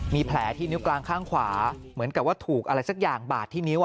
มีแผลที่นิ้วกลางข้างขวาเหมือนกับว่าถูกอะไรสักอย่างบาดที่นิ้ว